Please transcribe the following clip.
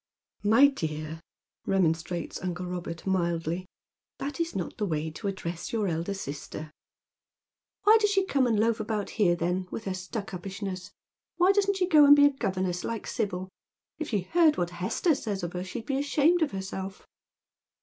"My dear," remonstrates uncle Robert mildly, "that is not the I7ay to address your elder sister." " Why does she come and loaf about here, then, with her etuckupishness ? Why doesn't she go and be a governess likft Sibyl ? If she heard what Hester says of her she'd be aBhamo^. of herself."